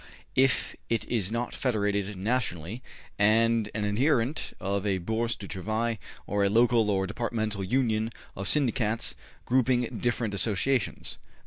if it is not federated nationally and an adherent of a Bourse du Travail or a local or departmental Union of Syndicats grouping different associations.'